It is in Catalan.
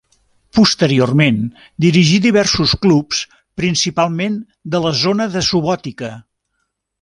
Posteriorment dirigí diversos clubs, principalment de la zona de Subotica.